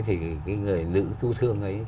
thì người nữ cứu thương ấy